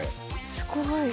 すごい。